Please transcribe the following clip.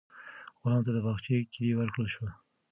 غلام ته د باغچې کیلي ورکړل شوه.